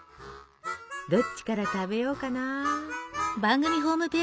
どっちから食べようかな。